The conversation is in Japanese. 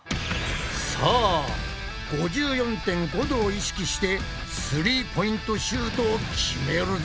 さあ５４．５度を意識してスリーポイントシュートを決めるぞ！